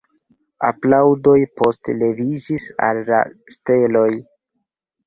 Aplaŭdoj poste leviĝis al la steloj.